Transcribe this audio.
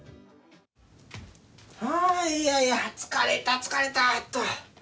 はいやいや疲れた疲れたっと。